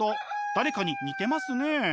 誰かに似てますね。